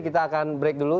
kita akan break dulu